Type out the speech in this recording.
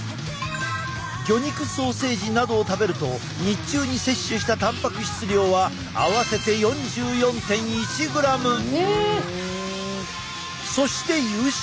魚肉ソーセージなどを食べると日中に摂取したたんぱく質量は合わせてそして夕食。